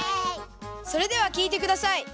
それではきいてください。